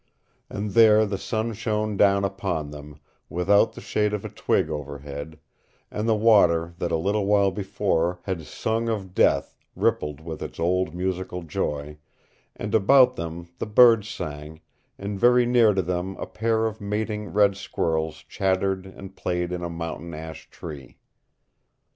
And there the sun shone down upon them, without the shade of a twig overhead; and the water that a little while before had sung of death rippled with its old musical joy, and about them the birds sang, and very near to them a pair of mating red squirrels chattered and played in a mountain ash tree.